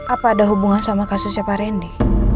apa ada hubungan sama kasus siapa randy